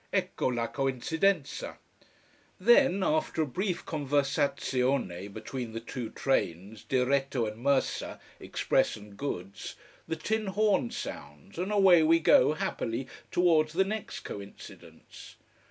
Ecco la coincidenza! Then after a brief conversazione between the two trains, diretto and merce, express and goods, the tin horn sounds and away we go, happily, towards the next coincidence.